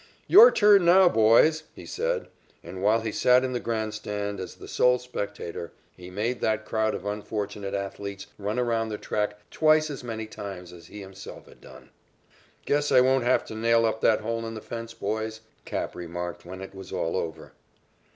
"Your turn now, boys," he said, and while he sat in the grand stand as the sole spectator, he made that crowd of unfortunate athletes run around the track twice as many times as he himself had done. "Guess I won't have to nail up that hole in the fence, boys," "Cap" remarked when it was all over.